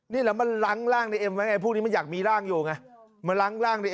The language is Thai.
นี่แหละมันล้างร่างในเอ็มไว้พวกนี้มันอยากมีร่างอยู่ไง